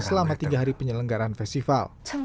selama tiga hari penyelenggaran festival